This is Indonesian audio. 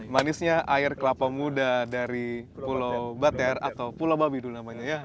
manisnya air kelapa muda dari pulau bater atau pulau babi dulu namanya ya